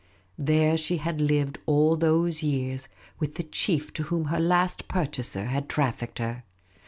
There she had lived all those years with the chief to whom her last purchaser had trafficked her.